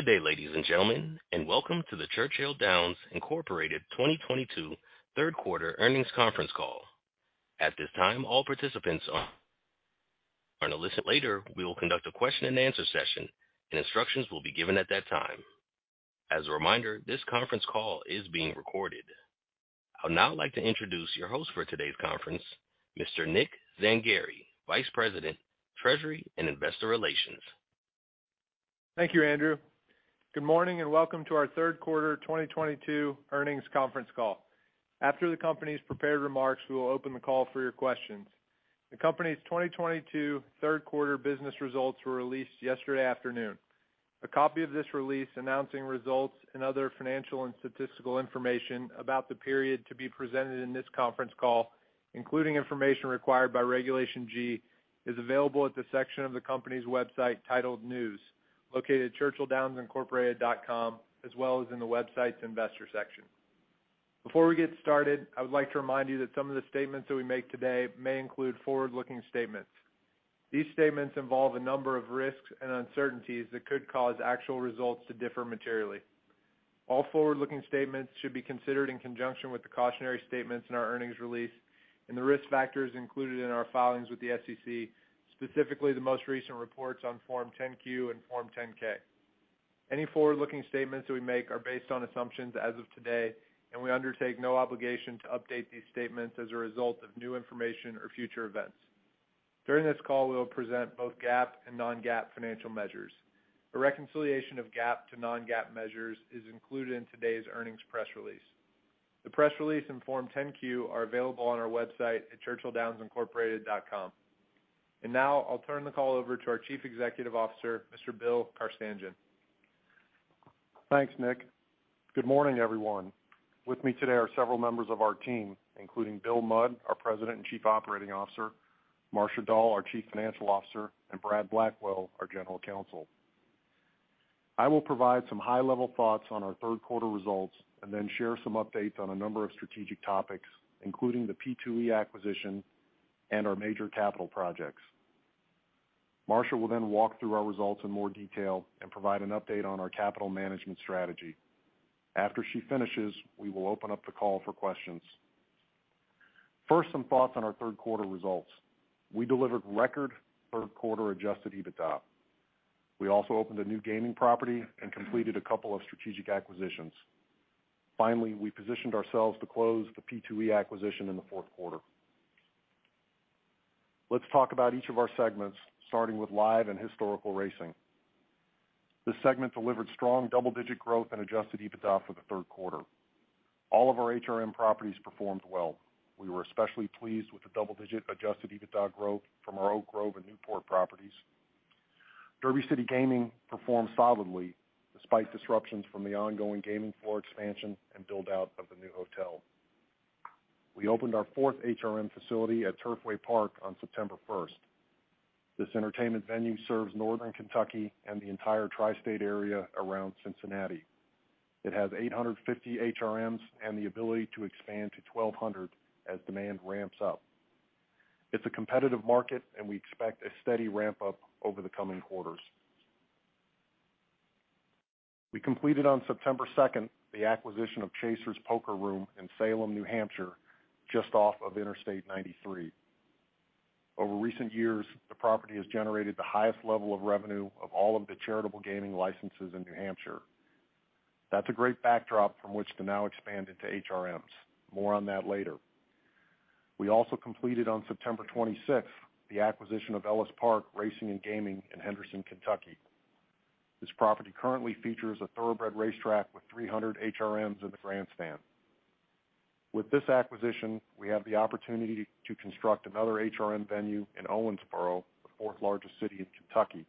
Good day, ladies and gentlemen, and welcome to the Churchill Downs Incorporated 2022 Third Quarter Earnings Conference Call. At this time, all participants are in a listen-only mode. We will conduct a question-and-answer session, and instructions will be given at that time. As a reminder, this conference call is being recorded. I'd now like to introduce your host for today's conference, Mr. Nick Zangari, Vice President, Treasury and Investor Relations. Thank you, Andrew. Good morning, and welcome to our Third Quarter 2022 Earnings Conference Call. After the company's prepared remarks, we will open the call for your questions. The company's 2022 Third Quarter Business results were released yesterday afternoon. A copy of this release announcing results and other financial and statistical information about the period to be presented in this conference call, including information required by Regulation G, is available at the section of the company's website titled News, located churchilldownsincorporated.com, as well as in the website's Investor section. Before we get started, I would like to remind you that some of the statements that we make today may include forward-looking statements. These statements involve a number of risks and uncertainties that could cause actual results to differ materially. All forward-looking statements should be considered in conjunction with the cautionary statements in our earnings release and the risk factors included in our filings with the SEC, specifically the most recent reports on Form 10-Q and Form 10-K. Any forward-looking statements that we make are based on assumptions as of today, and we undertake no obligation to update these statements as a result of new information or future events. During this call, we will present both GAAP and non-GAAP financial measures. A reconciliation of GAAP to non-GAAP measures is included in today's earnings press release. The press release and Form 10-Q are available on our website at churchilldownsincorporated.com. Now I'll turn the call over to our Chief Executive Officer, Mr. Bill Carstanjen. Thanks, Nick. Good morning, everyone. With me today are several members of our team, including Bill Mudd, our President and Chief Operating Officer, Marcia A. Dall, our Chief Financial Officer, and Brad Blackwell, our General Counsel. I will provide some high-level thoughts on our third quarter results and then share some updates on a number of strategic topics, including the P2E acquisition and our major capital projects. Marcia will then walk through our results in more detail and provide an update on our capital management strategy. After she finishes, we will open up the call for questions. First, some thoughts on our third quarter results. We delivered record third quarter Adjusted EBITDA. We also opened a new gaming property and completed a couple of strategic acquisitions. Finally, we positioned ourselves to close the P2E acquisition in the fourth quarter. Let's talk about each of our segments, starting with Live and Historical Racing. This segment delivered strong double-digit growth and Adjusted EBITDA for the third quarter. All of our HRM properties performed well. We were especially pleased with the double-digit Adjusted EBITDA growth from our Oak Grove and Newport properties. Derby City Gaming performed solidly despite disruptions from the ongoing gaming floor expansion and build-out of the new hotel. We opened our fourth HRM facility at Turfway Park on September first. This entertainment venue serves Northern Kentucky and the entire tri-state area around Cincinnati. It has 850 HRMs and the ability to expand to 1,200 as demand ramps up. It's a competitive market, and we expect a steady ramp-up over the coming quarters. We completed on September second the acquisition of Chasers Poker Room in Salem, New Hampshire, just off of Interstate 93. Over recent years, the property has generated the highest level of revenue of all of the charitable gaming licenses in New Hampshire. That's a great backdrop from which to now expand into HRMs. More on that later. We also completed on September 26th the acquisition of Ellis Park Racing & Gaming in Henderson, Kentucky. This property currently features a thoroughbred racetrack with 300 HRMs in the grandstand. With this acquisition, we have the opportunity to construct another HRM venue in Owensboro, the fourth-largest city in Kentucky.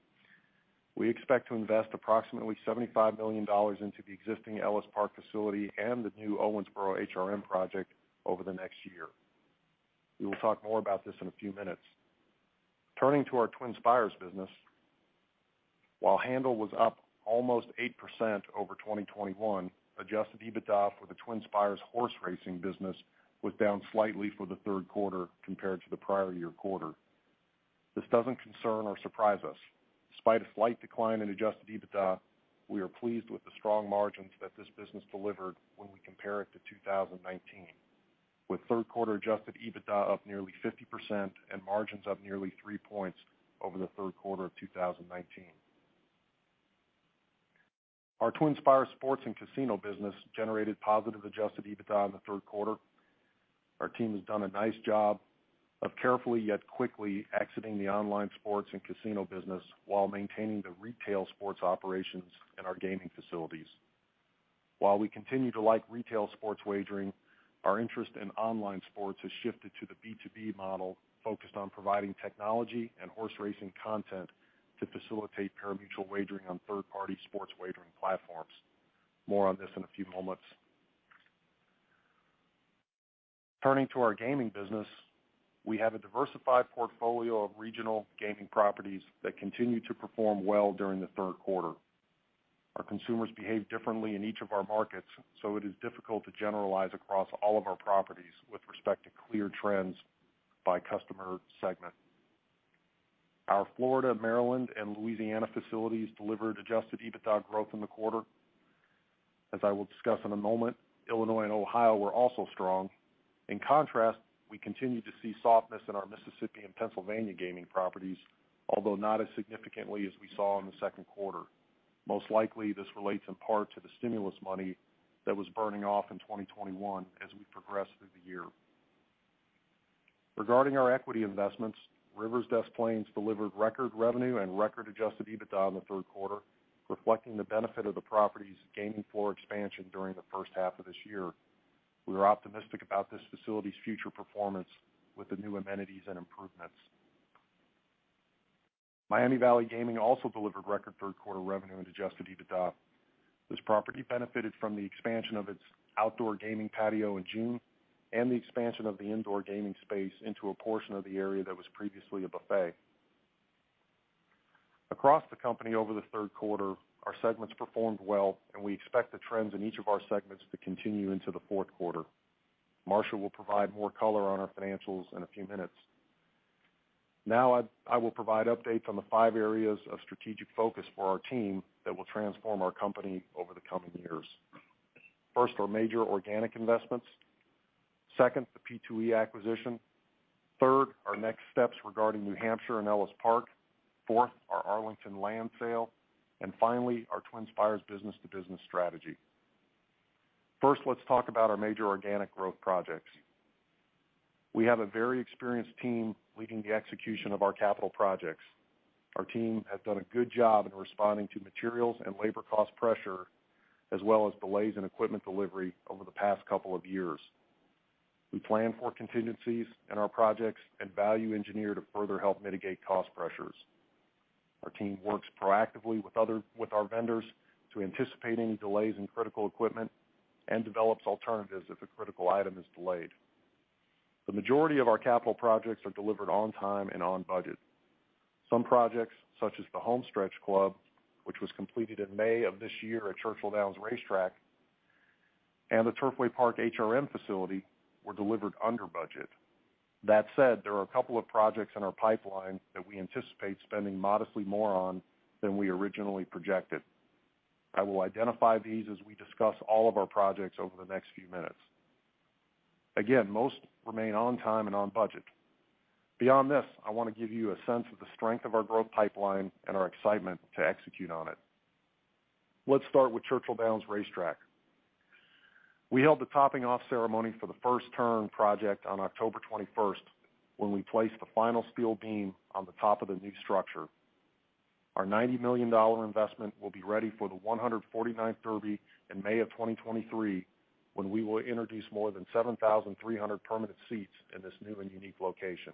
We expect to invest approximately $75 million into the existing Ellis Park facility and the new Owensboro HRM project over the next year. We will talk more about this in a few minutes. Turning to our TwinSpires business. While handle was up almost 8% over 2021, Adjusted EBITDA for the TwinSpires horse racing business was down slightly for the third quarter compared to the prior year quarter. This doesn't concern or surprise us. Despite a slight decline in Adjusted EBITDA, we are pleased with the strong margins that this business delivered when we compare it to 2019, with third quarter Adjusted EBITDA up nearly 50% and margins up nearly three points over the third quarter of 2019. Our TwinSpires sports and casino business generated positive Adjusted EBITDA in the third quarter. Our team has done a nice job of carefully yet quickly exiting the online sports and casino business while maintaining the retail sports operations in our gaming facilities. While we continue to like retail sports wagering, our interest in online sports has shifted to the B2B model focused on providing technology and horse racing content to facilitate parimutuel wagering on third-party sports wagering platforms. More on this in a few moments. Turning to our gaming business. We have a diversified portfolio of regional gaming properties that continued to perform well during the third quarter. Our consumers behave differently in each of our markets, so it is difficult to generalize across all of our properties with respect to clear trends by customer segment. Our Florida, Maryland, and Louisiana facilities delivered Adjusted EBITDA growth in the quarter. As I will discuss in a moment, Illinois and Ohio were also strong. In contrast, we continue to see softness in our Mississippi and Pennsylvania gaming properties, although not as significantly as we saw in the second quarter. Most likely, this relates in part to the stimulus money that was burning off in 2021 as we progress through the year. Regarding our equity investments, Rivers Casino Des Plaines delivered record revenue and record Adjusted EBITDA in the third quarter, reflecting the benefit of the property's gaming floor expansion during the first half of this year. We are optimistic about this facility's future performance with the new amenities and improvements. Miami Valley Gaming also delivered record third quarter revenue and Adjusted EBITDA. This property benefited from the expansion of its outdoor gaming patio in June and the expansion of the indoor gaming space into a portion of the area that was previously a buffet. Across the company over the third quarter, our segments performed well, and we expect the trends in each of our segments to continue into the fourth quarter. Marcia will provide more color on our financials in a few minutes. Now I will provide updates on the five areas of strategic focus for our team that will transform our company over the coming years. First, our major organic investments. Second, the P2E acquisition. Third, our next steps regarding New Hampshire and Ellis Park. Fourth, our Arlington land sale. Finally, our TwinSpires business-to-business strategy. First, let's talk about our major organic growth projects. We have a very experienced team leading the execution of our capital projects. Our team has done a good job in responding to materials and labor cost pressure, as well as delays in equipment delivery over the past couple of years. We plan for contingencies in our projects and value engineer to further help mitigate cost pressures. Our team works proactively with our vendors to anticipate any delays in critical equipment and develops alternatives if a critical item is delayed. The majority of our capital projects are delivered on time and on budget. Some projects, such as the Homestretch Club, which was completed in May of this year at Churchill Downs Racetrack, and the Turfway Park HRM facility, were delivered under budget. That said, there are a couple of projects in our pipeline that we anticipate spending modestly more on than we originally projected. I will identify these as we discuss all of our projects over the next few minutes. Again, most remain on time and on budget. Beyond this, I want to give you a sense of the strength of our growth pipeline and our excitement to execute on it. Let's start with Churchill Downs Racetrack. We held the topping off ceremony for the First Turn project on October 21st, when we placed the final steel beam on the top of the new structure. Our $90 million investment will be ready for the 149th Derby in May 2023, when we will introduce more than 7,300 permanent seats in this new and unique location.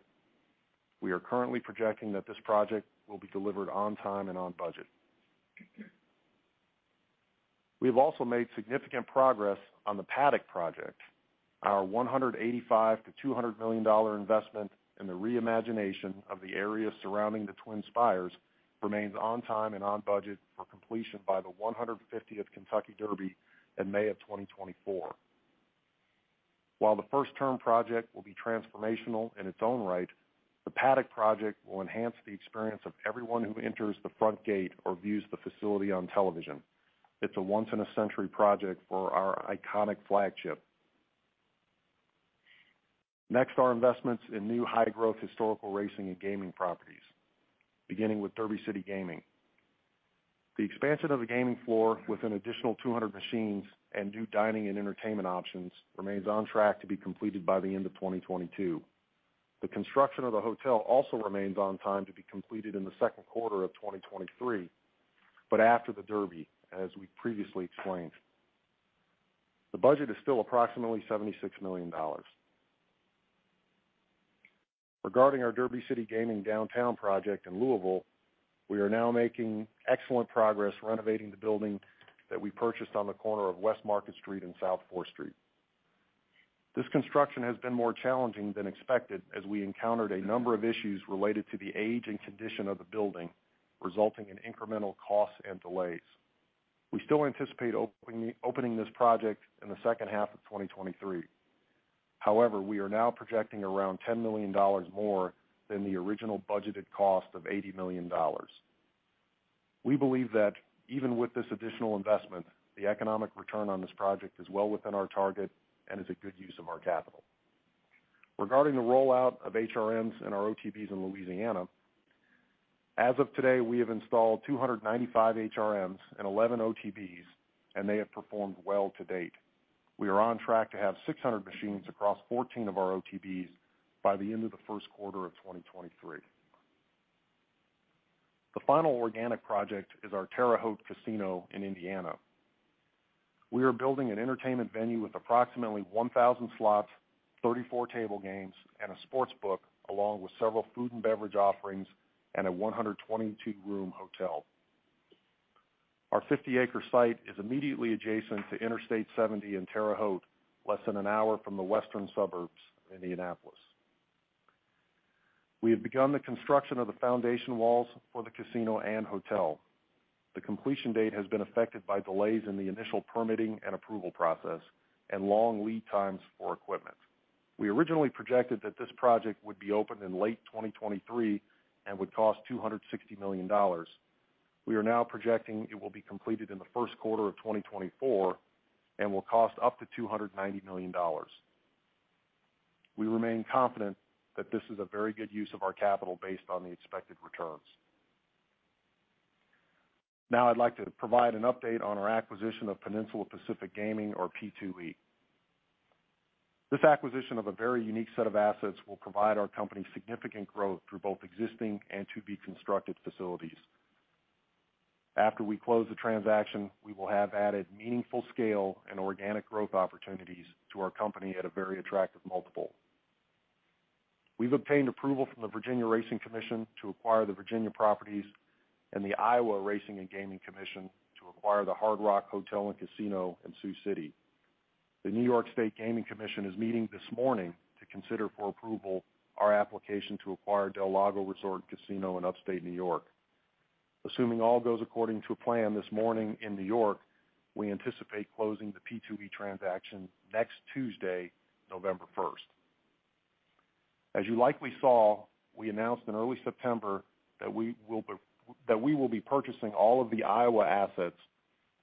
We are currently projecting that this project will be delivered on time and on budget. We have also made significant progress on the Paddock Project. Our $185 million-$200 million investment in the reimagination of the area surrounding the TwinSpires remains on time and on budget for completion by the 150th Kentucky Derby in May 2024. While the First Turn project will be transformational in its own right, the Paddock Project will enhance the experience of everyone who enters the front gate or views the facility on television. It's a once-in-a-century project for our iconic flagship. Next, our investments in new high-growth historical racing and gaming properties, beginning with Derby City Gaming. The expansion of the gaming floor with an additional 200 machines and new dining and entertainment options remains on track to be completed by the end of 2022. The construction of the hotel also remains on time to be completed in the second quarter of 2023, but after the Derby, as we previously explained. The budget is still approximately $76 million. Regarding our Derby City Gaming downtown project in Louisville, we are now making excellent progress renovating the building that we purchased on the corner of West Market Street and South Fourth Street. This construction has been more challenging than expected as we encountered a number of issues related to the age and condition of the building, resulting in incremental costs and delays. We still anticipate opening this project in the second half of 2023. However, we are now projecting around $10 million more than the original budgeted cost of $80 million. We believe that even with this additional investment, the economic return on this project is well within our target and is a good use of our capital. Regarding the rollout of HRMs and our OTB's in Louisiana, as of today, we have installed 295 HRMs and 11 OTB's, and they have performed well to date. We are on track to have 600 machines across 14 of our OTB's by the end of the first quarter of 2023. The final organic project is our Terre Haute Casino in Indiana. We are building an entertainment venue with approximately 1,000 slots, 34 table games, and a sports book, along with several food and beverage offerings and a 122-room hotel. Our 50-acre site is immediately adjacent to Interstate 70 in Terre Haute, less than an hour from the western suburbs of Indianapolis. We have begun the construction of the foundation walls for the casino and hotel. The completion date has been affected by delays in the initial permitting and approval process and long lead times for equipment. We originally projected that this project would be open in late 2023 and would cost $260 million. We are now projecting it will be completed in the first quarter of 2024 and will cost up to $290 million. We remain confident that this is a very good use of our capital based on the expected returns. Now I'd like to provide an update on our acquisition of Peninsula Pacific Entertainment or P2E. This acquisition of a very unique set of assets will provide our company significant growth through both existing and to-be-constructed facilities. After we close the transaction, we will have added meaningful scale and organic growth opportunities to our company at a very attractive multiple. We've obtained approval from the Virginia Racing Commission to acquire the Virginia properties and the Iowa Racing and Gaming Commission to acquire the Hard Rock Hotel & Casino in Sioux City. The New York State Gaming Commission is meeting this morning to consider for approval our application to acquire del Lago Resort & Casino in Upstate New York. Assuming all goes according to plan this morning in New York, we anticipate closing the P2E transaction next Tuesday, November 1st. As you likely saw, we announced in early September that we will be purchasing all of the Iowa assets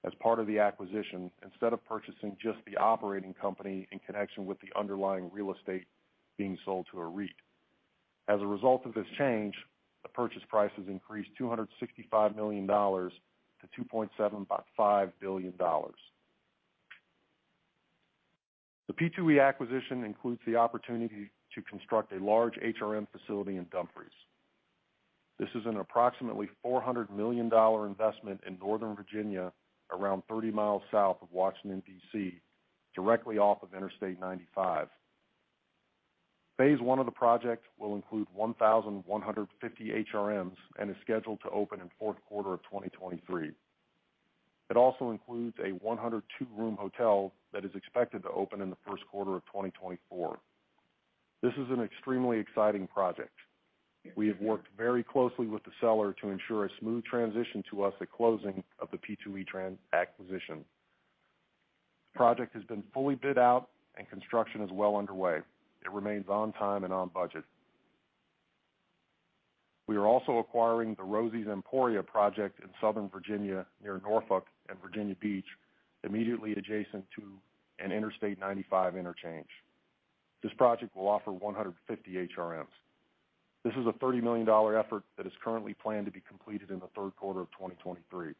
as part of the acquisition instead of purchasing just the operating company in connection with the underlying real estate being sold to a REIT. As a result of this change, the purchase price has increased $265 million-$2.75 billion. The P2E acquisition includes the opportunity to construct a large HRM facility in Dumfries. This is an approximately $400 million investment in Northern Virginia, around 30 miles south of Washington, D.C., directly off of Interstate 95. Phase I of the project will include 1,150 HRMs and is scheduled to open in fourth quarter of 2023. It also includes a 102-room hotel that is expected to open in the first quarter of 2024. This is an extremely exciting project. We have worked very closely with the seller to ensure a smooth transition to us at closing of the P2E acquisition. The project has been fully bid out and construction is well underway. It remains on time and on budget. We are also acquiring the Rosie's Gaming Emporium project in Southern Virginia, near Norfolk and Virginia Beach, immediately adjacent to an Interstate 95 interchange. This project will offer 150 HRMs. This is a $30 million effort that is currently planned to be completed in the third quarter of 2023.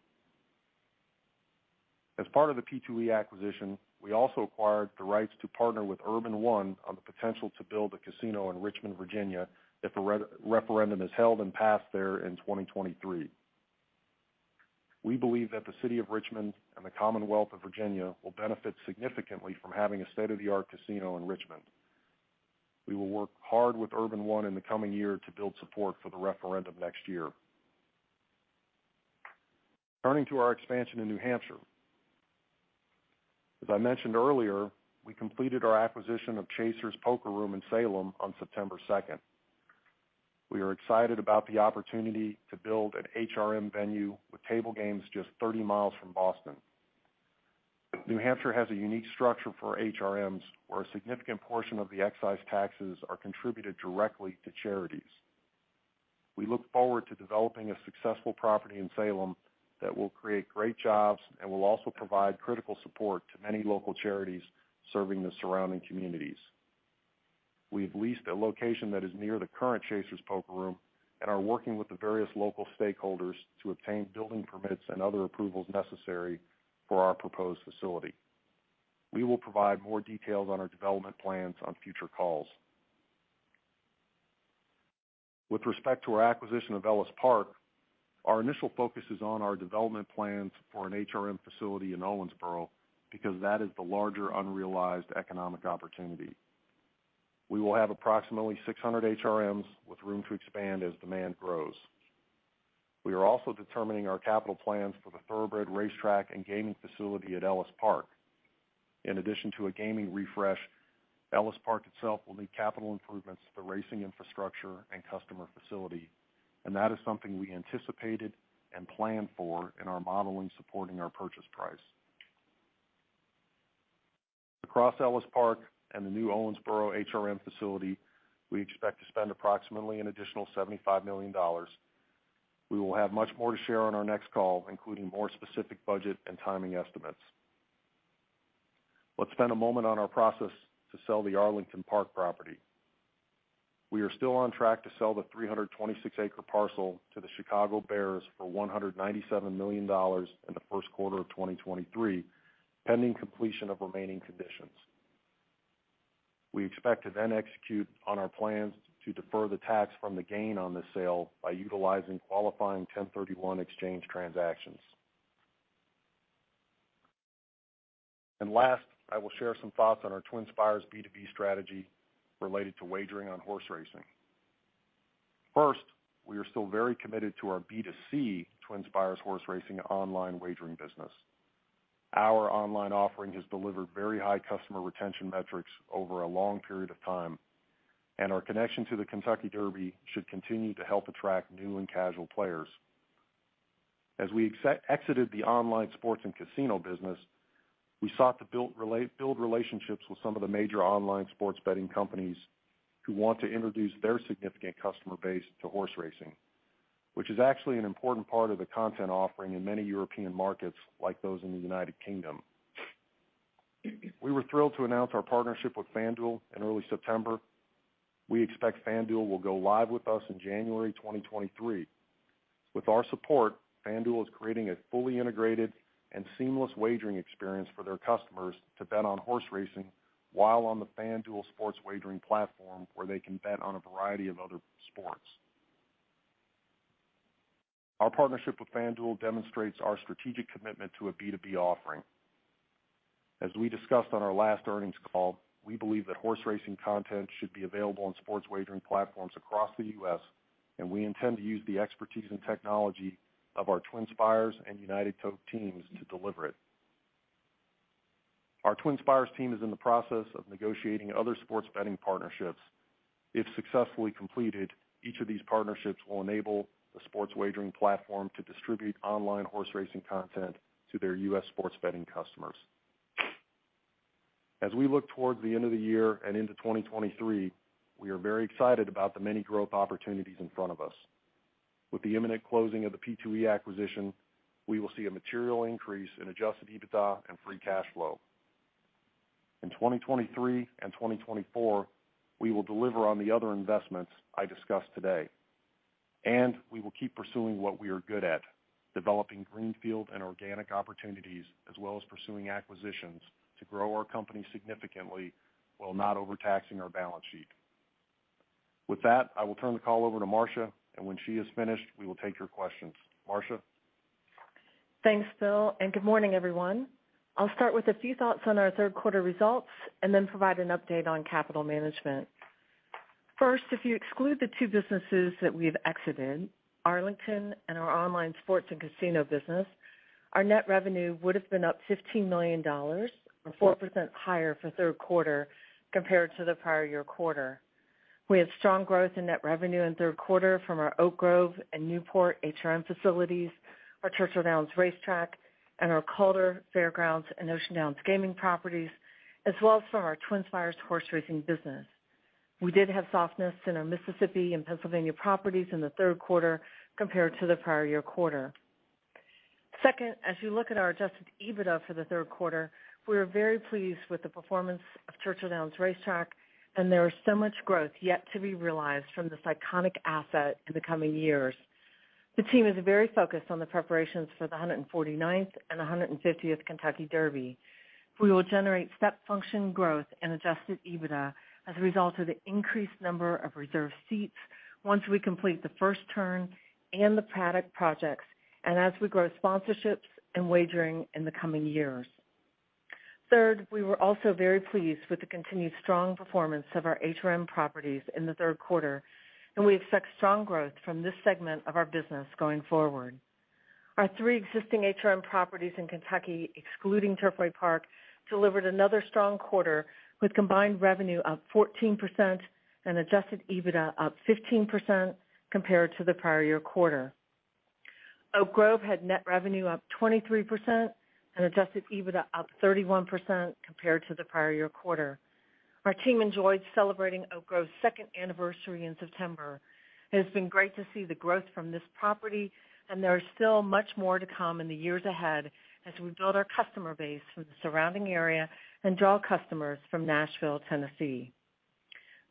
As part of the P2E acquisition, we also acquired the rights to partner with Urban One on the potential to build a casino in Richmond, Virginia, if a re-referendum is held and passed there in 2023. We believe that the city of Richmond and the Commonwealth of Virginia will benefit significantly from having a state-of-the-art casino in Richmond. We will work hard with Urban One in the coming year to build support for the referendum next year. Turning to our expansion in New Hampshire. As I mentioned earlier, we completed our acquisition of Chasers Poker Room in Salem on September 2nd. We are excited about the opportunity to build an HRM venue with table games just 30 miles from Boston. New Hampshire has a unique structure for HRMs, where a significant portion of the excise taxes are contributed directly to charities. We look forward to developing a successful property in Salem that will create great jobs and will also provide critical support to many local charities serving the surrounding communities. We have leased a location that is near the current Chasers Poker Room and are working with the various local stakeholders to obtain building permits and other approvals necessary for our proposed facility. We will provide more details on our development plans on future calls. With respect to our acquisition of Ellis Park, our initial focus is on our development plans for an HRM facility in Owensboro, because that is the larger unrealized economic opportunity. We will have approximately 600 HRMs with room to expand as demand grows. We are also determining our capital plans for the thoroughbred racetrack and gaming facility at Ellis Park. In addition to a gaming refresh, Ellis Park itself will need capital improvements to the racing infrastructure and customer facility, and that is something we anticipated and planned for in our modeling supporting our purchase price. Across Ellis Park and the new Owensboro HRM facility, we expect to spend approximately an additional $75 million. We will have much more to share on our next call, including more specific budget and timing estimates. Let's spend a moment on our process to sell the Arlington Park property. We are still on track to sell the 326-acre parcel to the Chicago Bears for $197 million in the first quarter of 2023, pending completion of remaining conditions. We expect to then execute on our plans to defer the tax from the gain on this sale by utilizing qualifying 1031 exchange transactions. Last, I will share some thoughts on our TwinSpires B2B strategy related to wagering on horse racing. First, we are still very committed to our B2C TwinSpires horse racing online wagering business. Our online offering has delivered very high customer retention metrics over a long period of time, and our connection to the Kentucky Derby should continue to help attract new and casual players. As we exited the online sports and casino business, we sought to build relationships with some of the major online sports betting companies who want to introduce their significant customer base to horse racing, which is actually an important part of the content offering in many European markets like those in the United Kingdom. We were thrilled to announce our partnership with FanDuel in early September. We expect FanDuel will go live with us in January 2023. With our support, FanDuel is creating a fully integrated and seamless wagering experience for their customers to bet on horse racing while on the FanDuel sports wagering platform, where they can bet on a variety of other sports. Our partnership with FanDuel demonstrates our strategic commitment to a B2B offering. As we discussed on our last earnings call, we believe that horse racing content should be available on sports wagering platforms across the U.S., and we intend to use the expertise and technology of our TwinSpires and United Tote teams to deliver it. Our TwinSpires team is in the process of negotiating other sports betting partnerships. If successfully completed, each of these partnerships will enable the sports wagering platform to distribute online horse racing content to their U.S. sports betting customers. As we look towards the end of the year and into 2023, we are very excited about the many growth opportunities in front of us. With the imminent closing of the P2E acquisition, we will see a material increase in Adjusted EBITDA and free cash flow. In 2023 and 2024, we will deliver on the other investments I discussed today, and we will keep pursuing what we are good at, developing greenfield and organic opportunities as well as pursuing acquisitions to grow our company significantly while not overtaxing our balance sheet. With that, I will turn the call over to Marcia, and when she is finished, we will take your questions. Marcia? Thanks, Bill, and good morning, everyone. I'll start with a few thoughts on our third quarter results and then provide an update on capital management. First, if you exclude the two businesses that we've exited, Arlington and our online sports and casino business, our net revenue would have been up $15 million or 4% higher for third quarter compared to the prior year quarter. We had strong growth in net revenue in third quarter from our Oak Grove and Newport HRM facilities, our Churchill Downs racetrack, and our Calder, Fair Grounds, and Ocean Downs gaming properties, as well as from our TwinSpires horse racing business. We did have softness in our Mississippi and Pennsylvania properties in the third quarter compared to the prior year quarter. Second, as you look at our Adjusted EBITDA for the third quarter, we are very pleased with the performance of Churchill Downs Racetrack, and there is so much growth yet to be realized from this iconic asset in the coming years. The team is very focused on the preparations for the 149th and the 150th Kentucky Derby. We will generate step function growth and Adjusted EBITDA as a result of the increased number of reserved seats once we complete the First Turn and the Paddock Project and as we grow sponsorships and wagering in the coming years. Third, we were also very pleased with the continued strong performance of our HRM properties in the third quarter, and we expect strong growth from this segment of our business going forward. Our three existing HRM properties in Kentucky, excluding Turfway Park, delivered another strong quarter with combined revenue up 14% and Adjusted EBITDA up 15% compared to the prior year quarter. Oak Grove had net revenue up 23% and Adjusted EBITDA up 31% compared to the prior year quarter. Our team enjoyed celebrating Oak Grove's second anniversary in September. It has been great to see the growth from this property, and there is still much more to come in the years ahead as we build our customer base for the surrounding area and draw customers from Nashville, Tennessee.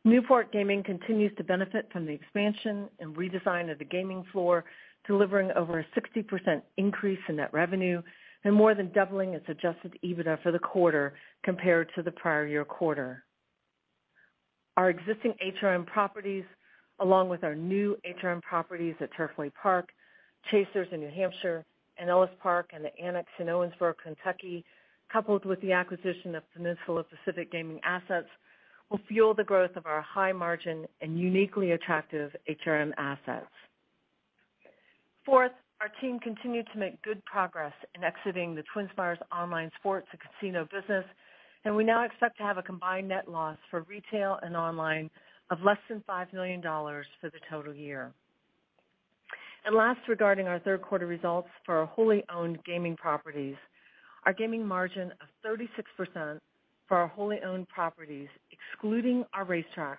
Newport Gaming continues to benefit from the expansion and redesign of the gaming floor, delivering over a 60% increase in net revenue and more than doubling its Adjusted EBITDA for the quarter compared to the prior year quarter. Our existing HRM properties, along with our new HRM properties at Turfway Park, Chasers in New Hampshire, and Ellis Park and the Annex in Owensboro, Kentucky, coupled with the acquisition of Peninsula Pacific Entertainment assets, will fuel the growth of our high-margin and uniquely attractive HRM assets. Fourth, our team continued to make good progress in exiting the TwinSpires online sports and casino business, and we now expect to have a combined net loss for retail and online of less than $5 million for the total year. Last, regarding our third quarter results for our wholly owned gaming properties, our gaming margin of 36% for our wholly owned properties, excluding our racetracks,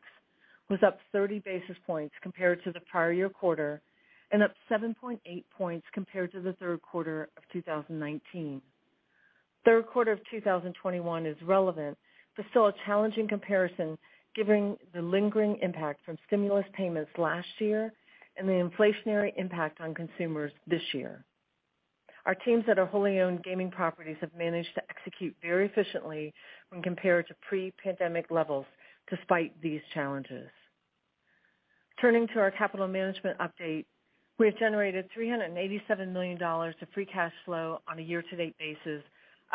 was up 30 basis points compared to the prior-year quarter and up 7.8 points compared to the third quarter of 2019. Third quarter of 2021 is relevant but still a challenging comparison given the lingering impact from stimulus payments last year and the inflationary impact on consumers this year. Our teams at our wholly owned gaming properties have managed to execute very efficiently when compared to pre-pandemic levels despite these challenges. Turning to our capital management update, we have generated $387 million of free cash flow on a year-to-date basis,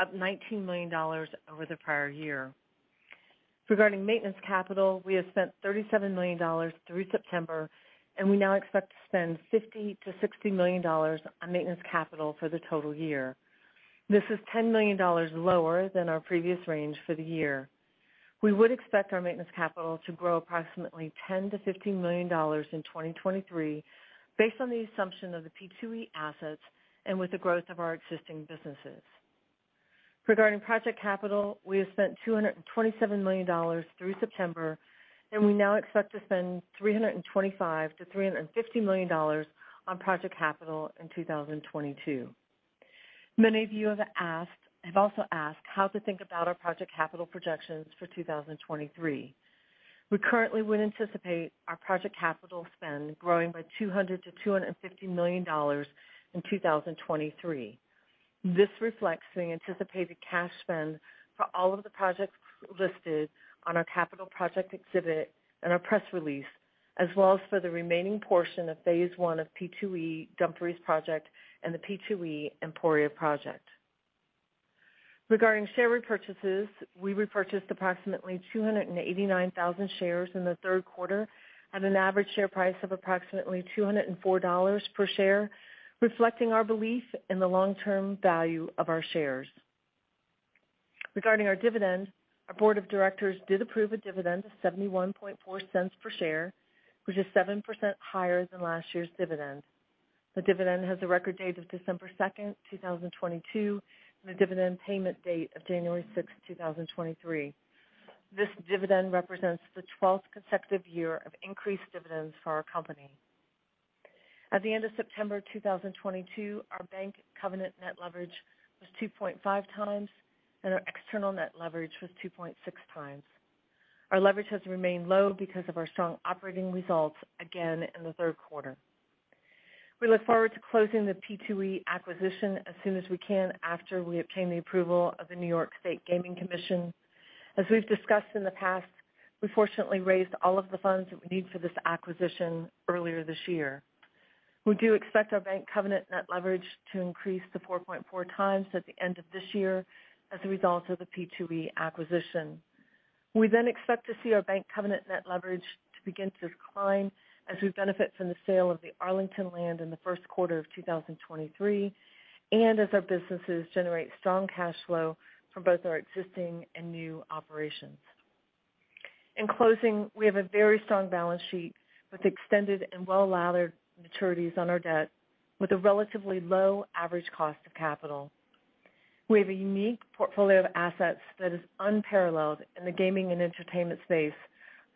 up $19 million over the prior year. Regarding maintenance capital, we have spent $37 million through September, and we now expect to spend $50 million-$60 million on maintenance capital for the total year. This is $10 million lower than our previous range for the year. We would expect our maintenance capital to grow approximately $10-$15 million in 2023 based on the assumption of the P2E assets and with the growth of our existing businesses. Regarding project capital, we have spent $227 million through September, and we now expect to spend $325 million-$350 million on project capital in 2022. Many of you have also asked how to think about our project capital projections for 2023. We currently would anticipate our project capital spend growing by $200 million-$250 million in 2023. This reflects the anticipated cash spend for all of the projects listed on our capital project exhibit and our press release, as well as for the remaining portion of phase one of P2E Dumfries project and the P2E Emporia project. Regarding share repurchases, we repurchased approximately 289,000 shares in the third quarter at an average share price of approximately $204 per share, reflecting our belief in the long-term value of our shares. Regarding our dividend, our board of directors did approve a dividend of $0.714 per share, which is 7% higher than last year's dividend. The dividend has a record date of December 2, 2022, and a dividend payment date of January 6, 2023. This dividend represents the 12th consecutive year of increased dividends for our company. At the end of September 2022, our bank covenant net leverage was 2.5x, and our external net leverage was 2.6x. Our leverage has remained low because of our strong operating results again in the third quarter. We look forward to closing the P2E acquisition as soon as we can after we obtain the approval of the New York State Gaming Commission. As we've discussed in the past, we fortunately raised all of the funds that we need for this acquisition earlier this year. We do expect our bank covenant net leverage to increase to 4.4x at the end of this year as a result of the P2E acquisition. We then expect to see our bank covenant net leverage to begin to decline as we benefit from the sale of the Arlington land in the first quarter of 2023, and as our businesses generate strong cash flow from both our existing and new operations. In closing, we have a very strong balance sheet with extended and well-laddered maturities on our debt with a relatively low average cost of capital. We have a unique portfolio of assets that is unparalleled in the gaming and entertainment space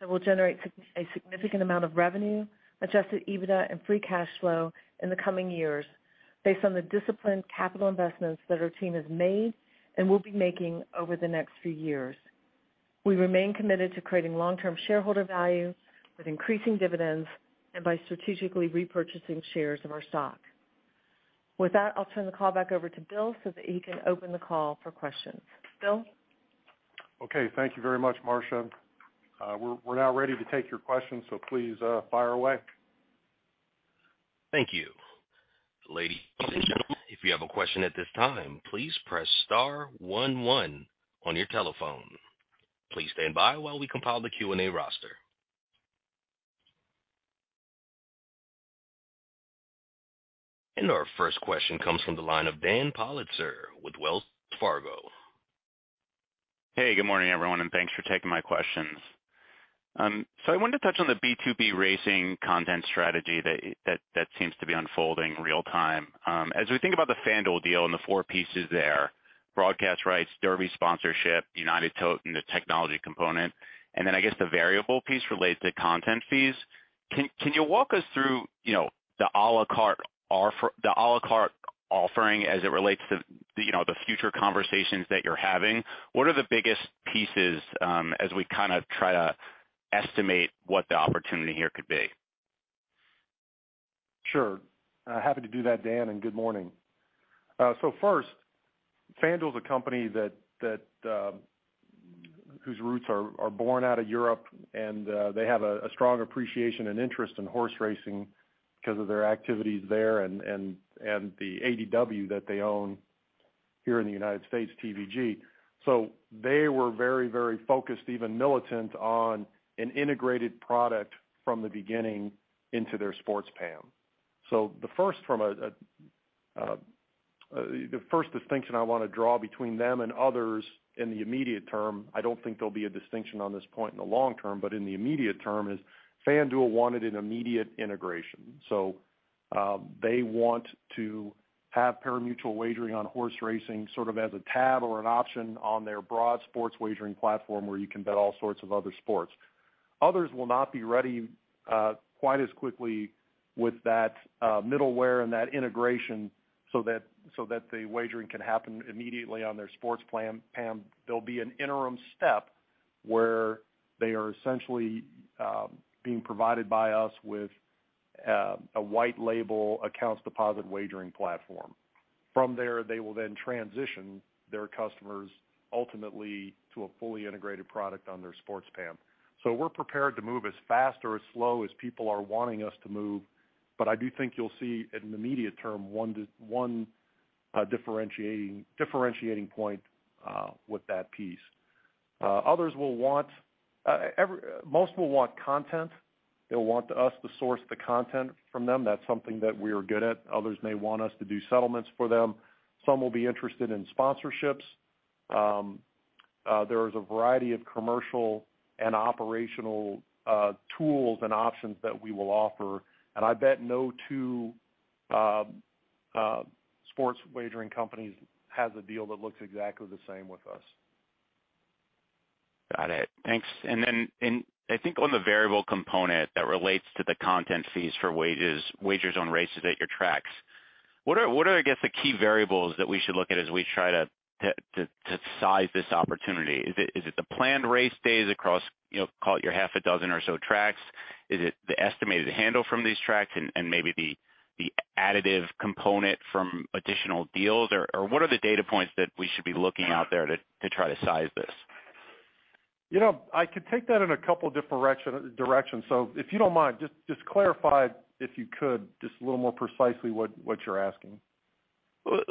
that will generate a significant amount of revenue, Adjusted EBITDA and free cash flow in the coming years based on the disciplined capital investments that our team has made and will be making over the next few years. We remain committed to creating long-term shareholder value with increasing dividends and by strategically repurchasing shares of our stock. With that, I'll turn the call back over to Bill so that he can open the call for questions. Bill? Okay, thank you very much, Marcia. We're now ready to take your questions, so please, fire away. Thank you. Ladies and gentlemen, if you have a question at this time, please press star one one on your telephone. Please stand by while we compile the Q&A roster. Our first question comes from the line of Daniel Politzer with Wells Fargo. Hey, good morning, everyone, and thanks for taking my questions. So I wanted to touch on the B2B Racing content strategy that seems to be unfolding real time. As we think about the FanDuel deal and the four pieces there, broadcast rights, Derby sponsorship, United Tote, and the technology component, and then I guess the variable piece relates to content fees. Can you walk us through, you know, the à la carte offering as it relates to, you know, the future conversations that you're having? What are the biggest pieces, as we kind of try to estimate what the opportunity here could be? Sure. Happy to do that, Dan, and good morning. First, FanDuel is a company whose roots are born out of Europe and they have a strong appreciation and interest in horse racing because of their activities there and the ADW that they own here in the United States, TVG. They were very focused, even militant, on an integrated product from the beginning into their sports app. The first distinction I wanna draw between them and others in the immediate term, I don't think there'll be a distinction on this point in the long term, but in the immediate term is FanDuel wanted an immediate integration. They want to have pari-mutuel wagering on horse racing sort of as a tab or an option on their broad sports wagering platform where you can bet all sorts of other sports. Others will not be ready quite as quickly with that middleware and that integration so that the wagering can happen immediately on their sports PAM. There'll be an interim step where they are essentially being provided by us with a white label advance-deposit wagering platform. From there, they will then transition their customers ultimately to a fully integrated product on their sports PAM. We're prepared to move as fast or as slow as people are wanting us to move, but I do think you'll see in the immediate term one key differentiating point with that piece. Most will want content. They'll want us to source the content from them. That's something that we are good at. Others may want us to do settlements for them. Some will be interested in sponsorships. There is a variety of commercial and operational tools and options that we will offer. I bet no two sports wagering companies has a deal that looks exactly the same with us. Got it. Thanks. I think on the variable component that relates to the content fees for wagers on races at your tracks, what are the key variables that we should look at as we try to size this opportunity? Is it the planned race days across, you know, call it your half a dozen or so tracks? Is it the estimated handle from these tracks and maybe the additive component from additional deals? Or what are the data points that we should be looking out there to try to size this? You know, I could take that in a couple directions. If you don't mind, just clarify if you could, just a little more precisely what you're asking.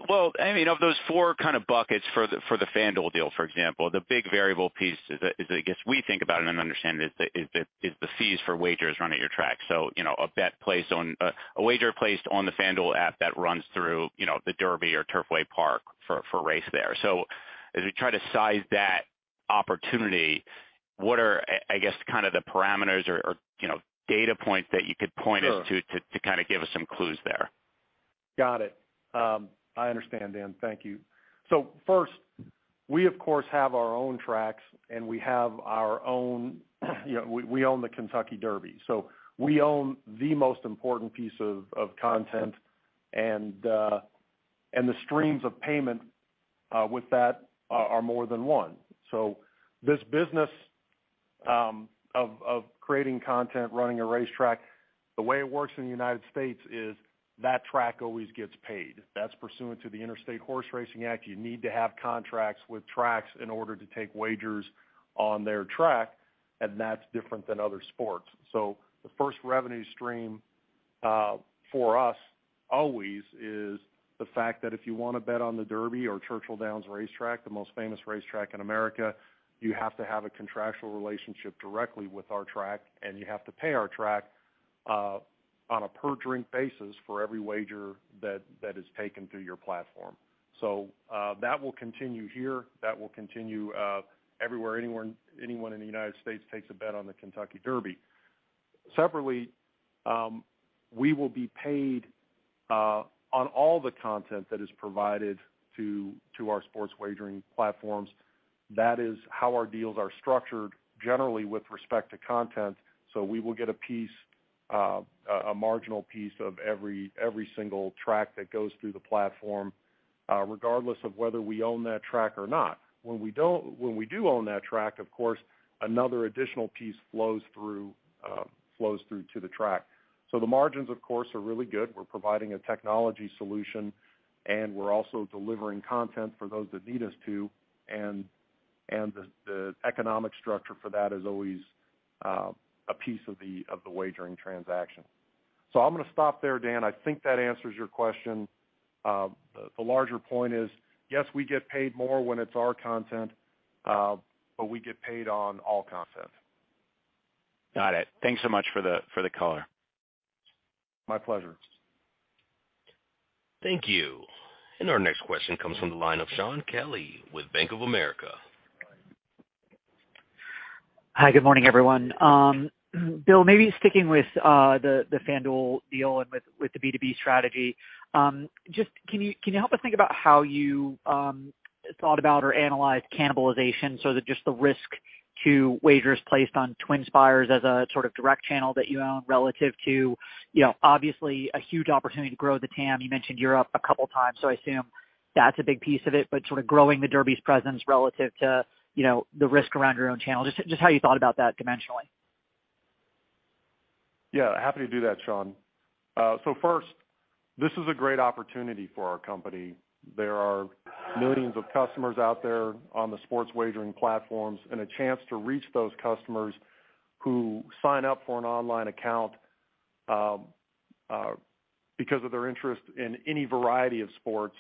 Well, I mean, of those four kind of buckets for the FanDuel deal, for example, the big variable piece is that, I guess we think about it and understand is the fees for wagers run at your track. So, you know, a wager placed on the FanDuel app that runs through, you know, the Derby or Turfway Park for a race there. So as we try to size that opportunity, what are, I guess, kind of the parameters or, you know, data points that you could point us- Sure. to kind of give us some clues there. Got it. I understand, Dan. Thank you. First, we of course have our own tracks, and we have our own. We own the Kentucky Derby, so we own the most important piece of content, and the streams of payment with that are more than one. This business of creating content, running a racetrack, the way it works in the United States is that track always gets paid. That's pursuant to the Interstate Horseracing Act. You need to have contracts with tracks in order to take wagers on their track, and that's different than other sports. The first revenue stream for us always is the fact that if you wanna bet on the Derby or Churchill Downs Racetrack, the most famous racetrack in America, you have to have a contractual relationship directly with our track, and you have to pay our track on a per head basis for every wager that is taken through your platform. That will continue here. That will continue everywhere anyone in the United States takes a bet on the Kentucky Derby. Separately, we will be paid on all the content that is provided to our sports wagering platforms. That is how our deals are structured generally with respect to content. We will get a marginal piece of every single track that goes through the platform, regardless of whether we own that track or not. When we do own that track, of course, another additional piece flows through to the track. The margins, of course, are really good. We're providing a technology solution, and we're also delivering content for those that need us to, and the economic structure for that is always a piece of the wagering transaction. I'm gonna stop there, Dan. I think that answers your question. The larger point is, yes, we get paid more when it's our content, but we get paid on all content. Got it. Thanks so much for the color. My pleasure. Thank you. Our next question comes from the line of Shaun Kelley with Bank of America. Hi. Good morning, everyone. Bill, maybe sticking with the FanDuel deal and with the B2B strategy, just can you help us think about how you thought about or analyzed cannibalization so that just the risk to wagers placed on TwinSpires as a sort of direct channel that you own relative to, you know, obviously a huge opportunity to grow the TAM. You mentioned Europe a couple times, so I assume that's a big piece of it, but sort of growing the Derby's presence relative to, you know, the risk around your own channel. Just how you thought about that dimensionally. Yeah, happy to do that, Shaun. First, this is a great opportunity for our company. There are millions of customers out there on the sports wagering platforms and a chance to reach those customers who sign up for an online account, because of their interest in any variety of sports,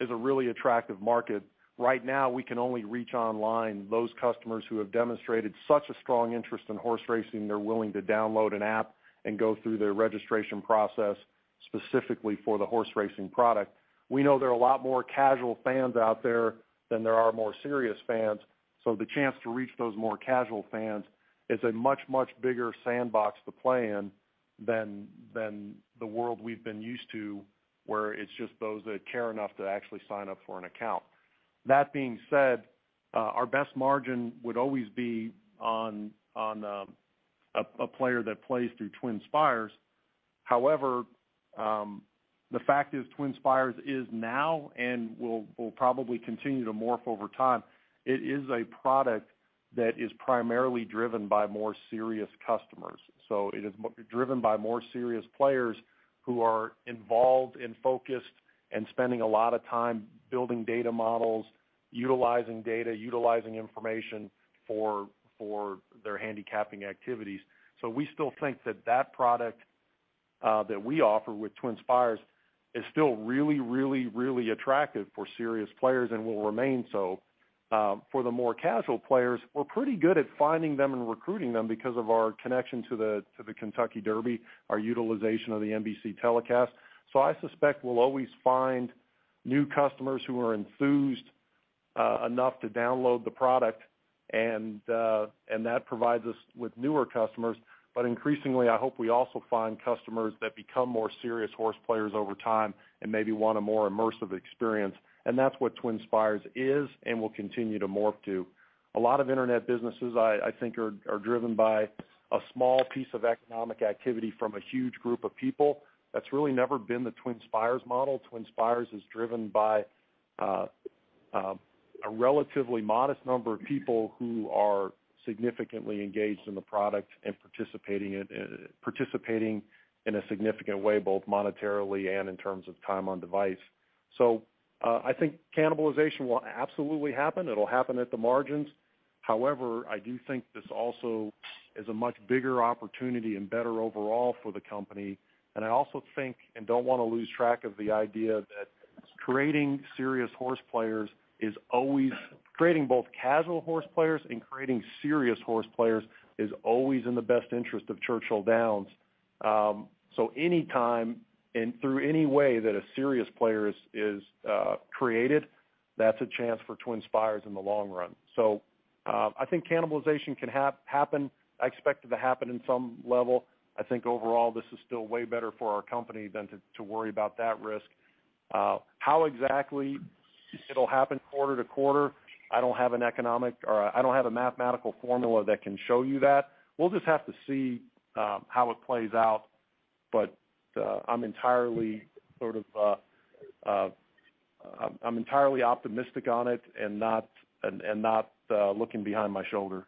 is a really attractive market. Right now, we can only reach online those customers who have demonstrated such a strong interest in horse racing. They're willing to download an app and go through their registration process specifically for the horse racing product. We know there are a lot more casual fans out there than there are more serious fans, so the chance to reach those more casual fans is a much, much bigger sandbox to play in than the world we've been used to, where it's just those that care enough to actually sign up for an account. That being said, our best margin would always be on a player that plays through TwinSpires. However, the fact is TwinSpires is now and will probably continue to morph over time. It is a product that is primarily driven by more serious customers. So it is driven by more serious players who are involved and focused and spending a lot of time building data models, utilizing data, utilizing information for their handicapping activities. We still think that product that we offer with TwinSpires is still really attractive for serious players and will remain so. For the more casual players, we're pretty good at finding them and recruiting them because of our connection to the Kentucky Derby, our utilization of the NBC telecast. I suspect we'll always find new customers who are enthused enough to download the product, and that provides us with newer customers. Increasingly, I hope we also find customers that become more serious horse players over time and maybe want a more immersive experience. That's what TwinSpires is and will continue to morph to. A lot of internet businesses, I think, are driven by a small piece of economic activity from a huge group of people. That's really never been the TwinSpires model. TwinSpires is driven by a relatively modest number of people who are significantly engaged in the product and participating in a significant way, both monetarily and in terms of time on device. I think cannibalization will absolutely happen. It'll happen at the margins. However, I do think this also is a much bigger opportunity and better overall for the company. I also think and don't wanna lose track of the idea that creating both casual horse players and creating serious horse players is always in the best interest of Churchill Downs. Any time and through any way that a serious player is created, that's a chance for TwinSpires in the long run. I think cannibalization can happen. I expect it to happen in some level. I think overall, this is still way better for our company than to worry about that risk. How exactly it'll happen quarter to quarter, I don't have a mathematical formula that can show you that. We'll just have to see how it plays out. I'm entirely sort of optimistic on it and not looking behind my shoulder.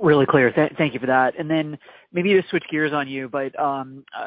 Really clear. Thank you for that. Maybe to switch gears on you, but,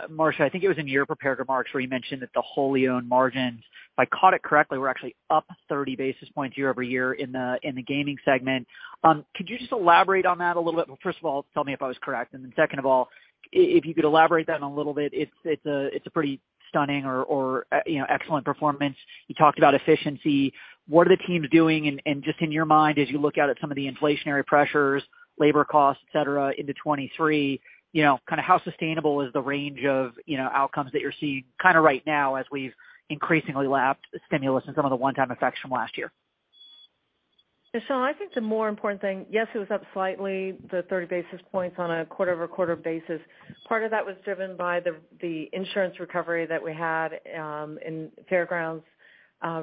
Marcia, I think it was in your prepared remarks where you mentioned that the wholly owned margins, if I caught it correctly, were actually up 30 basis points year-over-year in the gaming segment. Could you just elaborate on that a little bit? First of all, tell me if I was correct. Second of all, if you could elaborate that in a little bit, it's a pretty stunning or you know, excellent performance. You talked about efficiency. What are the teams doing? Just in your mind, as you look out at some of the inflationary pressures, labor costs, et cetera, into 2023, you know, kind of how sustainable is the range of, you know, outcomes that you're seeing kind of right now as we've increasingly lapped stimulus and some of the one-time effects from last year? Shaun, I think the more important thing. Yes, it was up slightly, the 30 basis points on a quarter-over-quarter basis. Part of that was driven by the insurance recovery that we had in Fair Grounds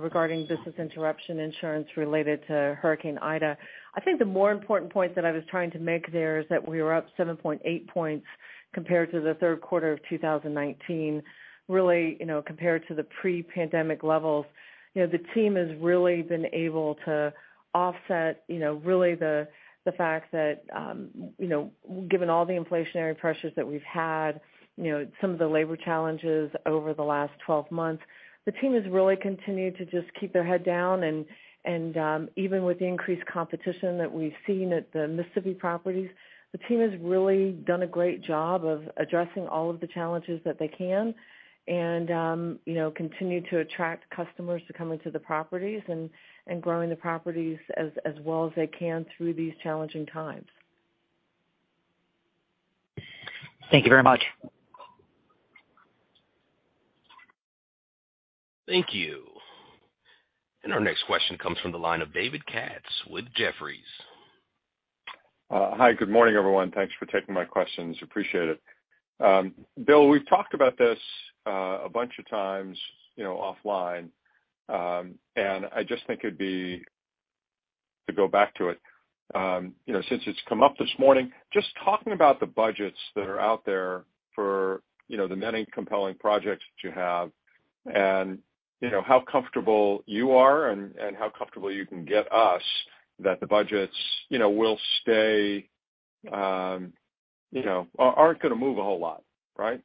regarding business interruption insurance related to Hurricane Ida. I think the more important point that I was trying to make there is that we were up 7.8 points compared to the third quarter of 2019. Really, you know, compared to the pre-pandemic levels. You know, the team has really been able to offset, you know, really the fact that, you know, given all the inflationary pressures that we've had, you know, some of the labor challenges over the last 12 months, the team has really continued to just keep their head down. Even with the increased competition that we've seen at the Mississippi properties, the team has really done a great job of addressing all of the challenges that they can and, you know, continue to attract customers to come into the properties and growing the properties as well as they can through these challenging times. Thank you very much. Thank you. Our next question comes from the line of David Katz with Jefferies. Hi. Good morning, everyone. Thanks for taking my questions. Appreciate it. Bill, we've talked about this a bunch of times, you know, offline. I just think to go back to it, you know, since it's come up this morning, just talking about the budgets that are out there for, you know, the many compelling projects that you have and, you know, how comfortable you are and how comfortable you can get us that the budgets, you know, will stay, you know, aren't gonna move a whole lot, right?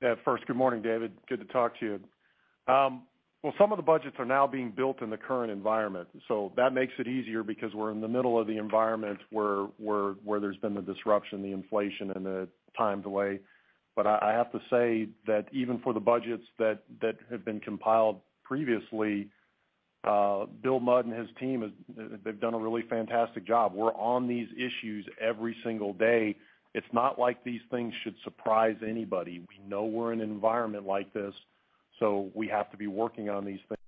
Yeah. First, good morning, David. Good to talk to you. Well, some of the budgets are now being built in the current environment, so that makes it easier because we're in the middle of the environment where there's been the disruption, the inflation and the time delay. I have to say that even for the budgets that have been compiled previously, Bill Mudd and his team, they've done a really fantastic job. We're on these issues every single day. It's not like these things should surprise anybody. We know we're in an environment like this, so we have to be working on these things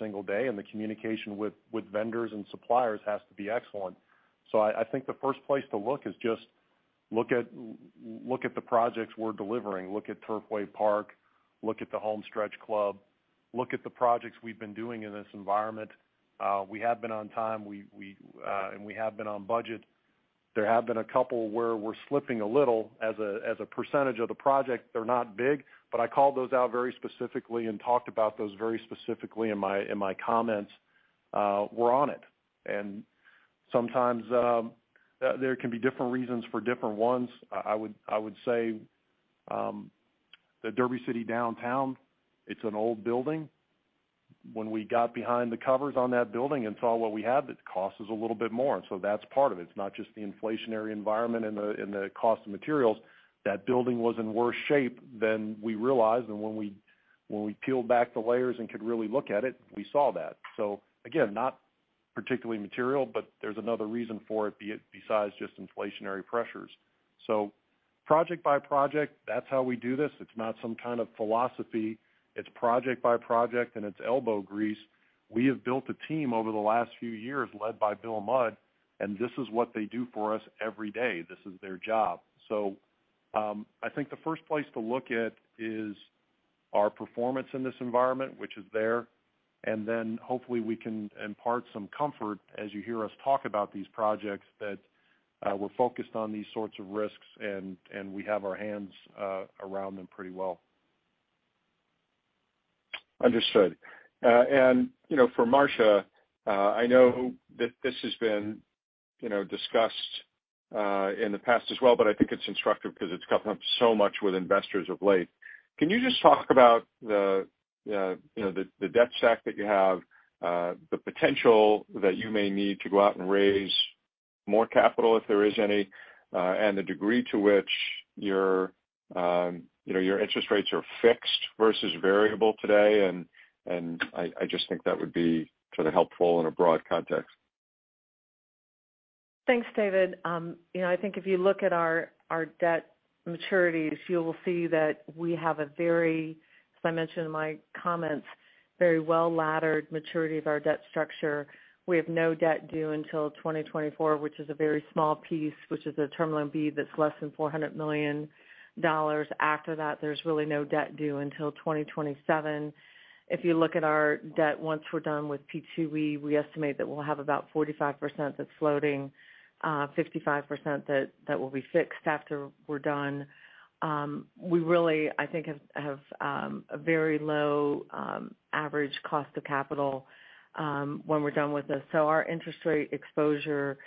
every single day. The communication with vendors and suppliers has to be excellent. I think the first place to look is just look at the projects we're delivering. Look at Turfway Park, look at the Homestretch Club. Look at the projects we've been doing in this environment. We have been on time. We have been on budget. There have been a couple where we're slipping a little as a percentage of the project. They're not big, but I called those out very specifically and talked about those very specifically in my comments. We're on it. Sometimes, there can be different reasons for different ones. I would say the Derby City Gaming, it's an old building. When we got behind the covers on that building and saw what we had, it cost us a little bit more. That's part of it. It's not just the inflationary environment and the cost of materials. That building was in worse shape than we realized. When we peeled back the layers and could really look at it, we saw that. Again, not particularly material, but there's another reason for it besides just inflationary pressures. Project by project, that's how we do this. It's not some kind of philosophy. It's project by project, and it's elbow grease. We have built a team over the last few years, led by Bill Mudd, and this is what they do for us every day. This is their job. I think the first place to look at is our performance in this environment, which is there. Then hopefully we can impart some comfort as you hear us talk about these projects that we're focused on these sorts of risks and we have our hands around them pretty well. Understood. You know, for Marcia, I know that this has been, you know, discussed in the past as well, but I think it's instructive because it's come up so much with investors of late. Can you just talk about the, you know, the debt stack that you have, the potential that you may need to go out and raise more capital if there is any, and the degree to which your, you know, your interest rates are fixed versus variable today, and I just think that would be sort of helpful in a broad context. Thanks, David. You know, I think if you look at our debt maturities, you will see that we have a very, as I mentioned in my comments, very well-laddered maturity of our debt structure. We have no debt due until 2024, which is a very small piece, which is a Term Loan B that's less than $400 million. After that, there's really no debt due until 2027. If you look at our debt, once we're done with P2E, we estimate that we'll have about 45% that's floating, 55% that will be fixed after we're done. We really, I think, have a very low average cost of capital when we're done with this. Our interest rate exposure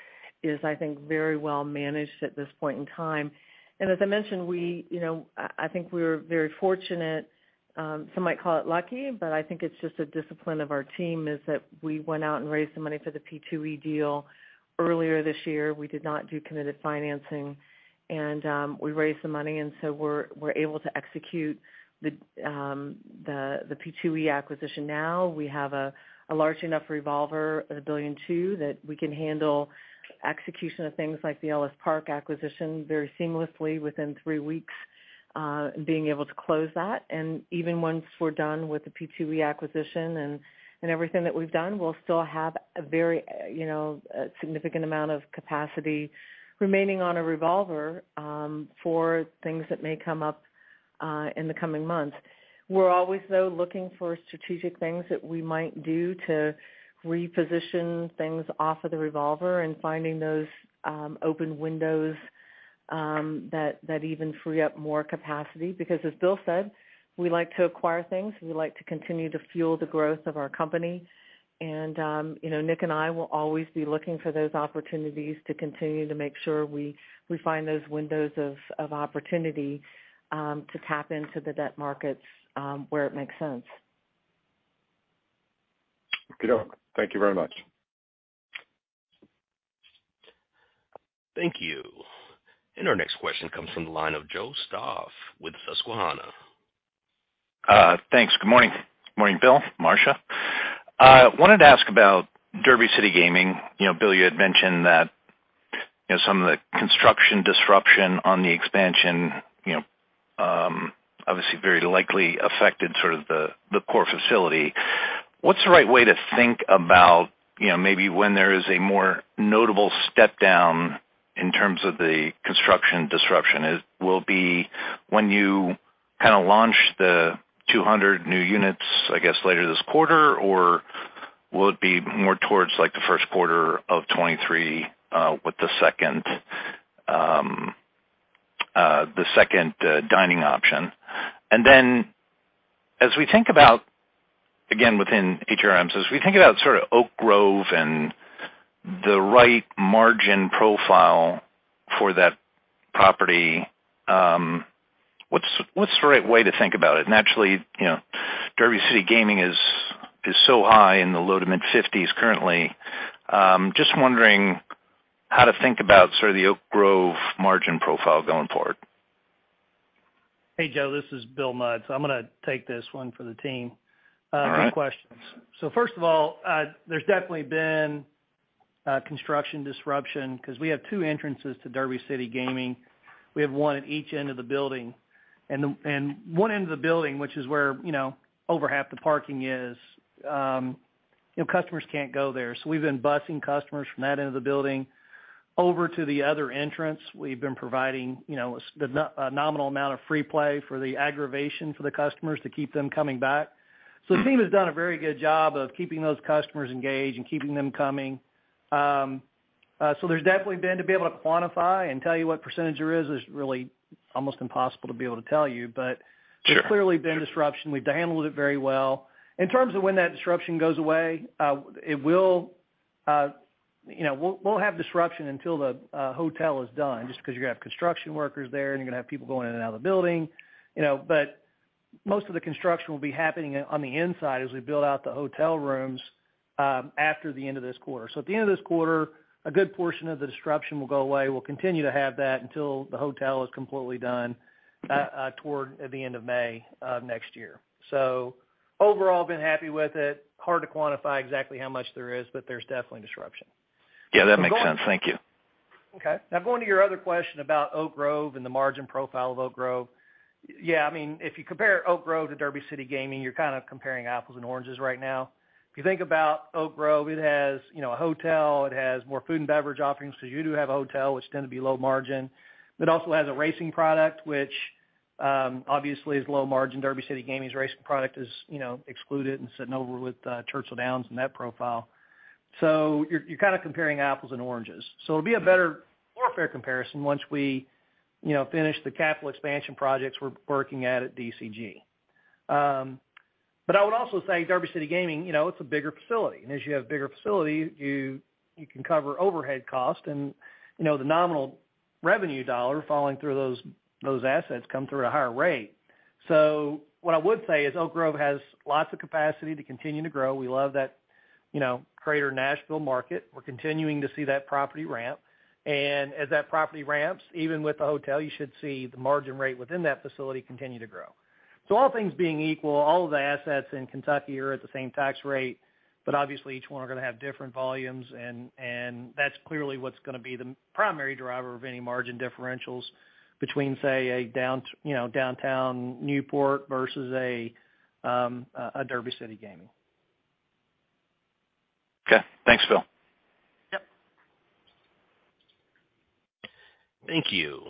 is, I think, very well managed at this point in time. As I mentioned, we think we're very fortunate, some might call it lucky, but I think it's just a discipline of our team, is that we went out and raised the money for the P2E deal earlier this year. We did not do committed financing, and we raised the money, and so we're able to execute the P2E acquisition now. We have a large enough revolver, $1.2 billion, that we can handle execution of things like the Ellis Park acquisition very seamlessly within three weeks, being able to close that. Even once we're done with the P2E acquisition and everything that we've done, we'll still have a very significant amount of capacity remaining on a revolver for things that may come up in the coming months. We're always, though, looking for strategic things that we might do to reposition things off of the revolver and finding those open windows that even free up more capacity. Because as Bill said, we like to acquire things. We like to continue to fuel the growth of our company. You know, Nick and I will always be looking for those opportunities to continue to make sure we find those windows of opportunity to tap into the debt markets where it makes sense. Good. Thank you very much. Thank you. Our next question comes from the line of Joe Stauff with Susquehanna. Thanks. Good morning. Good morning, Bill, Marcia. Wanted to ask about Derby City Gaming. You know, Bill, you had mentioned that, you know, some of the construction disruption on the expansion, you know, obviously very likely affected sort of the core facility. What's the right way to think about, you know, maybe when there is a more notable step down in terms of the construction disruption? Will be when you kind of launch the 200 new units, I guess, later this quarter, or will it be more towards like the first quarter of 2023, with the second dining option? Then as we think about, again, within HRMs, as we think about sort of Oak Grove and the right margin profile for that property, what's the right way to think about it? Naturally, you know, Derby City Gaming is so high in the low- to mid-50s% currently. Just wondering how to think about sort of the Oak Grove margin profile going forward. Hey, Joe, this is Bill Mudd. I'm gonna take this one for the team. All right. Good questions. First of all, there's definitely been construction disruption because we have two entrances to Derby City Gaming. We have one at each end of the building. One end of the building, which is where, you know, over half the parking is, you know, customers can't go there. We've been busing customers from that end of the building over to the other entrance. We've been providing, you know, a nominal amount of free play for the aggravation for the customers to keep them coming back. The team has done a very good job of keeping those customers engaged and keeping them coming. There's definitely been to be able to quantify and tell you what percentage there is really almost impossible to be able to tell you, but- Sure. There's clearly been disruption. We've handled it very well. In terms of when that disruption goes away, it will, you know, we'll have disruption until the hotel is done, just because you're gonna have construction workers there, and you're gonna have people going in and out of the building, you know, but most of the construction will be happening on the inside as we build out the hotel rooms, after the end of this quarter. At the end of this quarter, a good portion of the disruption will go away. We'll continue to have that until the hotel is completely done, toward the end of May, next year. Overall, been happy with it, hard to quantify exactly how much there is, but there's definitely disruption. Yeah, that makes sense. Thank you. Okay. Now, going to your other question about Oak Grove and the margin profile of Oak Grove. Yeah, I mean, if you compare Oak Grove to Derby City Gaming, you're kind of comparing apples and oranges right now. If you think about Oak Grove, it has, you know, a hotel, it has more food and beverage offerings because you do have a hotel which tend to be low margin. It also has a racing product, which obviously is low margin. Derby City Gaming's racing product is, you know, excluded and sitting over with Churchill Downs in that profile. You're kind of comparing apples and oranges. It'll be a better, more fair comparison once we, you know, finish the capital expansion projects we're working at DCG. I would also say Derby City Gaming, you know, it's a bigger facility, and as you have bigger facilities, you can cover overhead costs and, you know, the nominal revenue dollar falling through those assets come through at a higher rate. What I would say is Oak Grove has lots of capacity to continue to grow. We love that, you know, greater Nashville market. We're continuing to see that property ramp. As that property ramps, even with the hotel, you should see the margin rate within that facility continue to grow. All things being equal, all of the assets in Kentucky are at the same tax rate, but obviously each one are gonna have different volumes and that's clearly what's gonna be the primary driver of any margin differentials between, say, you know, downtown Newport versus a Derby City Gaming. Okay. Thanks, Bill. Yep. Thank you.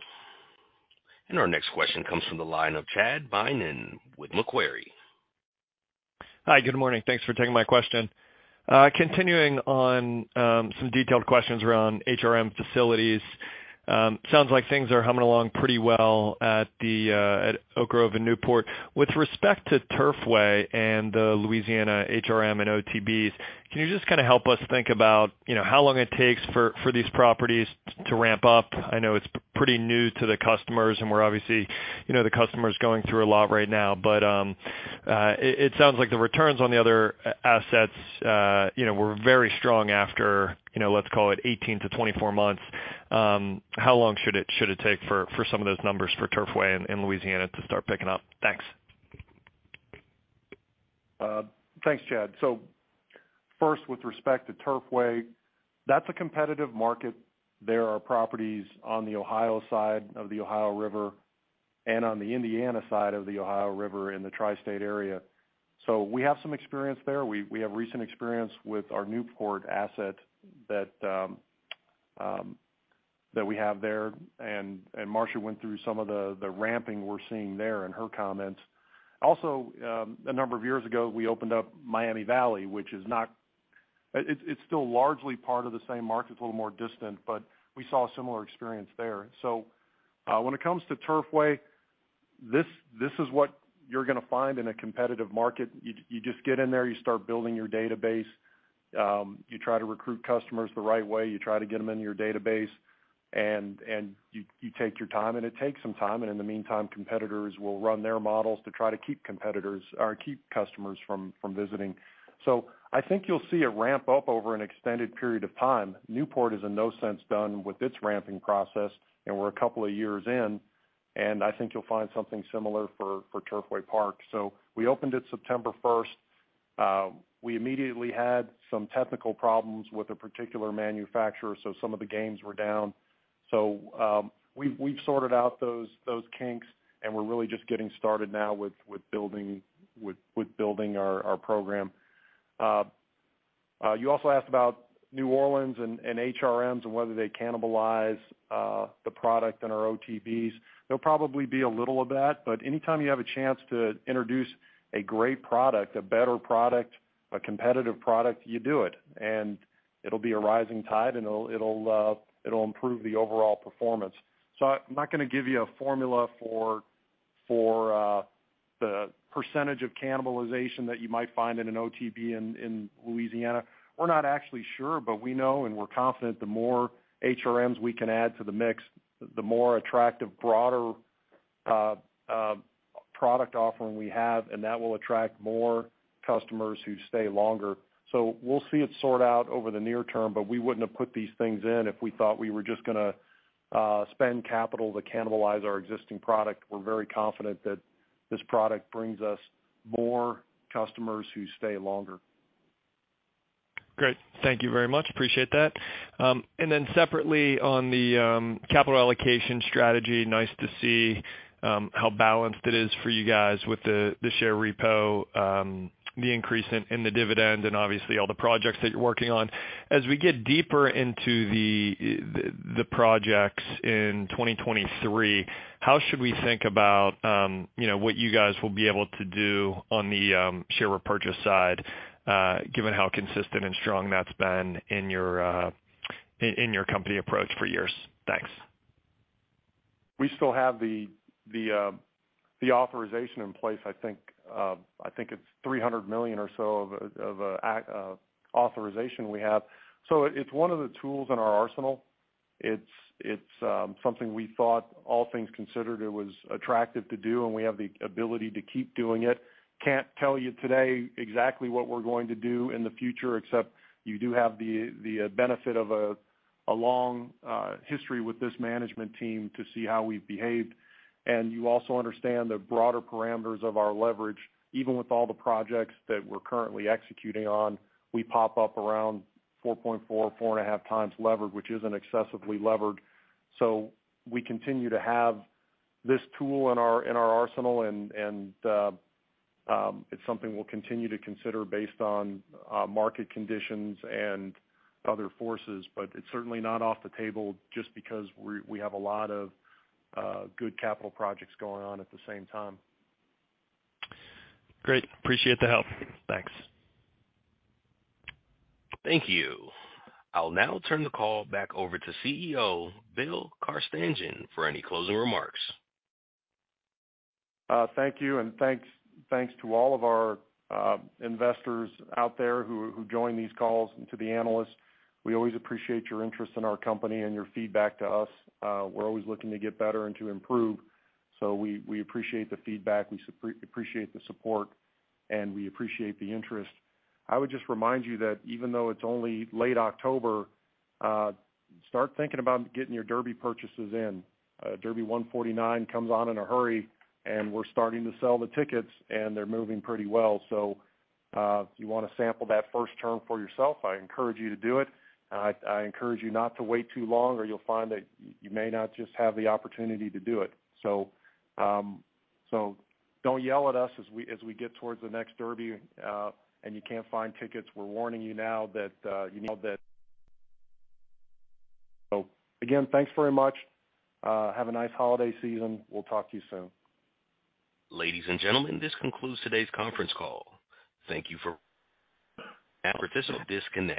Our next question comes from the line of Chad Beynon with Macquarie. Hi, good morning. Thanks for taking my question. Continuing on, some detailed questions around HRM facilities. Sounds like things are humming along pretty well at Oak Grove in Newport. With respect to Turfway and the Louisiana HRM and OTBs, can you just kinda help us think about, you know, how long it takes for these properties to ramp up? I know it's pretty new to the customers, and we're obviously, you know, the customer's going through a lot right now. It sounds like the returns on the other assets, you know, were very strong after, you know, let's call it 18-24 months. How long should it take for some of those numbers for Turfway and Louisiana to start picking up? Thanks. Thanks, Chad. First, with respect to Turfway, that's a competitive market. There are properties on the Ohio side of the Ohio River and on the Indiana side of the Ohio River in the Tri-State area. We have some experience there. We have recent experience with our Newport asset that we have there. Marcia went through some of the ramping we're seeing there in her comments. Also, a number of years ago, we opened up Miami Valley. It's still largely part of the same market. It's a little more distant, but we saw a similar experience there. When it comes to Turfway, this is what you're gonna find in a competitive market. You just get in there, you start building your database, you try to recruit customers the right way, you try to get them in your database, and you take your time, and it takes some time. In the meantime, competitors will run their models to try to keep customers from visiting. I think you'll see it ramp up over an extended period of time. Newport is in no sense done with its ramping process, and we're a couple of years in, and I think you'll find something similar for Turfway Park. We opened it September 1st. We immediately had some technical problems with a particular manufacturer, so some of the games were down. We've sorted out those kinks, and we're really just getting started now with building our program. You also asked about New Orleans and HRMs and whether they cannibalize the product in our OTBs. There'll probably be a little of that, but anytime you have a chance to introduce a great product, a better product, a competitive product, you do it. It'll be a rising tide, and it'll improve the overall performance. I'm not gonna give you a formula for the percentage of cannibalization that you might find in an OTB in Louisiana. We're not actually sure, but we know and we're confident the more HRMs we can add to the mix, the more attractive, broader product offering we have, and that will attract more customers who stay longer. We'll see it sort out over the near term, but we wouldn't have put these things in if we thought we were just gonna spend capital to cannibalize our existing product. We're very confident that this product brings us more customers who stay longer. Great. Thank you very much. Appreciate that. Separately on the capital allocation strategy, nice to see how balanced it is for you guys with the share repurchase, the increase in the dividend and obviously all the projects that you're working on. As we get deeper into the projects in 2023, how should we think about, you know, what you guys will be able to do on the share repurchase side, given how consistent and strong that's been in your company approach for years? Thanks. We still have the authorization in place. I think it's $300 million or so of authorization we have. It's one of the tools in our arsenal. It's something we thought all things considered it was attractive to do, and we have the ability to keep doing it. Can't tell you today exactly what we're going to do in the future, except you do have the benefit of a long history with this management team to see how we've behaved. You also understand the broader parameters of our leverage. Even with all the projects that we're currently executing on, we pop up around 4.4x-4.5x levered, which isn't excessively levered. We continue to have this tool in our arsenal, and it's something we'll continue to consider based on market conditions and other forces. It's certainly not off the table just because we have a lot of good capital projects going on at the same time. Great. Appreciate the help. Thanks. Thank you. I'll now turn the call back over to CEO Bill Carstanjen for any closing remarks. Thank you, and thanks to all of our investors out there who join these calls and to the analysts. We always appreciate your interest in our company and your feedback to us. We're always looking to get better and to improve. We appreciate the feedback, we appreciate the support, and we appreciate the interest. I would just remind you that even though it's only late October, start thinking about getting your Derby purchases in. Derby 149 comes on in a hurry, and we're starting to sell the tickets, and they're moving pretty well. If you wanna sample that First Turn for yourself, I encourage you to do it. I encourage you not to wait too long or you'll find that you may not just have the opportunity to do it. Don't yell at us as we get towards the next Derby and you can't find tickets. We're warning you now that you know that. Again, thanks very much. Have a nice holiday season. We'll talk to you soon. Ladies and gentlemen, this concludes today's conference call. Thank you for your participation.